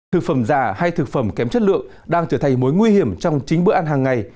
thực phẩm già hay thực phẩm kém chất lượng đang trở thành mối nguy hiểm trong chính bữa ăn hàng ngày